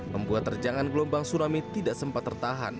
membuat terjangan gelombang tsunami tidak sempat tertahan